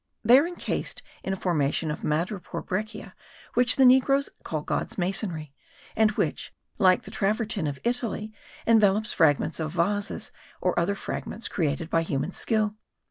They are encased in a formation of madrepore breccia, which the negroes call God's masonry, and which, like the travertin of Italy, envelops fragments of vases and other objects created by human skill.